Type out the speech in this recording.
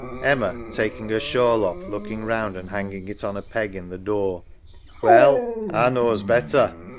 EMMA (faking her shawl off, looking round and hanging it on a peg in the door). Well, A knaws better.